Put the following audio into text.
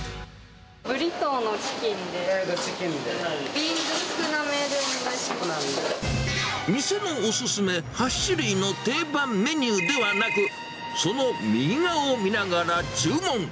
ブリトーのチキンで、店のお勧め８種類の定番メニューではなく、その右側を見ながら注文。